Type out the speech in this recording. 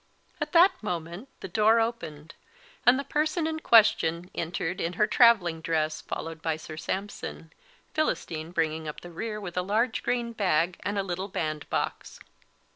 At that moment the door opened, and the person in question entered in her travelling dress, followed by Sir Sampson, Philistine bringing up the rear with a large green bag and a little band box.